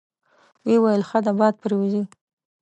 ویې ویل: ښه ده، باد پرې وځي.